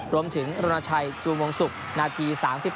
รวมถึงโรนาชัยจุมวงศุกร์นาที๓๘